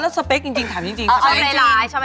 อ๋อแล้วสเปคจริงถามจริงสเปค